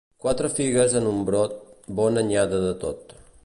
Quatre figues en un brot, bona anyada de tot.